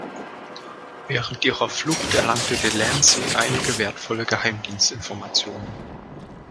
Während ihrer Flucht erlangt Delancey einige wertvolle Geheimdienstinformationen.